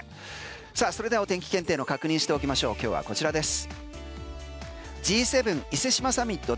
それではお天気検定の確認しておきましょう今日はこちらです。